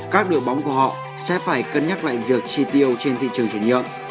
các đội bóng của họ sẽ phải cân nhắc lại việc chi tiêu trên thị trường chủ nhiệm